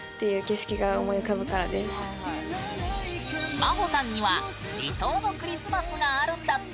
まほさんには理想のクリスマスがあるんだって！